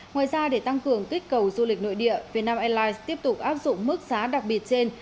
ngoài ra để tăng cường kích cầu du lịch nội địa việt nam airlines tiếp tục áp dụng mức giá đặc biệt trên